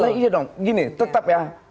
iya dong gini tetap ya